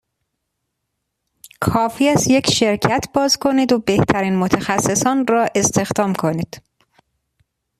کافی است یک شرکت باز کنید و بهترین متخصصان را استخدام کنید.